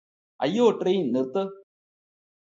അയ്യോ ട്രെയിന് നിര്ത്ത്